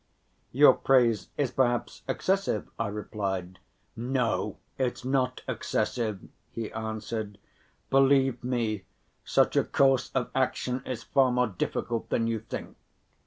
"Your praise is, perhaps, excessive," I replied. "No, it's not excessive," he answered; "believe me, such a course of action is far more difficult than you think.